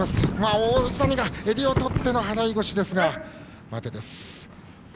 王子谷、襟を取っての払い腰ですが、待てです。